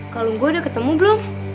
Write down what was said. kalo gue udah ketemu belum